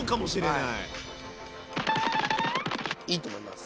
いいと思います。